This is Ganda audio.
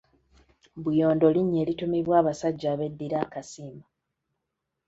Buyondo linnya erituumibwa abasajja ab'eddira akasimba.